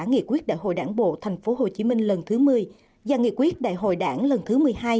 nghị quyết đại hội đảng bộ tp hcm lần thứ một mươi và nghị quyết đại hội đảng lần thứ một mươi hai